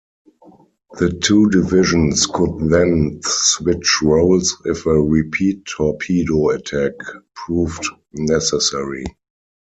The two divisions could then switch roles if a repeat torpedo attack proved necessary.